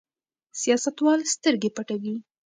سیاستوال سترګې پټوي.